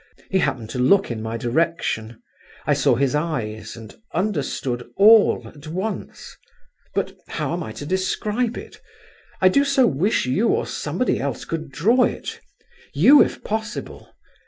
He happened to look in my direction: I saw his eyes and understood all, at once—but how am I to describe it? I do so wish you or somebody else could draw it, you, if possible.